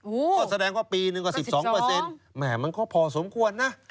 ก็แสดงว่าปีนึงก็๑๒แหม่มันก็พอสมควรนะ